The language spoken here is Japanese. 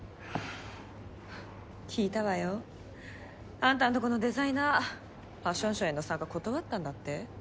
聞いたわよ。あんたんとこのデザイナーファッションショーへの参加断ったんだって？